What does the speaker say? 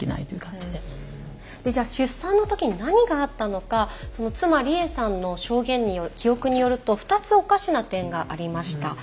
でじゃあ出産のときに何があったのか妻理栄さんの証言による記憶によると２つおかしな点がありました。